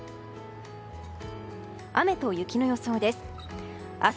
雨と雪の予想です。